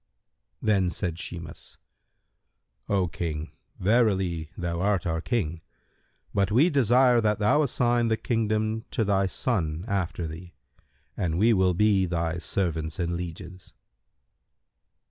Then said Shimas, "O King, verily thou art our King, but we desire that thou assign the kingdom to thy son after thee, and we will be thy servants and lieges."